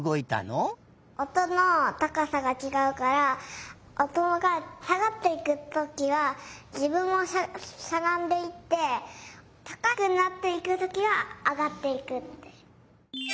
おとのたかさがちがうからおとがさがっていくときはじぶんもしゃがんでいってたかくなっていくときはあがっていくって。